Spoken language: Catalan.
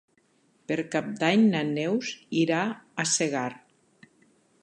Per Cap d'Any na Neus irà a Segart.